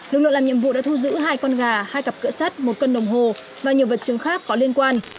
lực lượng làm nhiệm vụ đã thu giữ hai con gà hai cặp cửa sắt một cân đồng hồ và nhiều vật chứng khác có liên quan